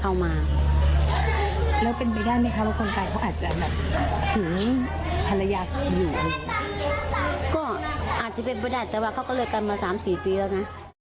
ก็อาจจะเป็นประดาษเจ้าว่าเขาก็เลิกกันมา๓๔ปีแล้วนะ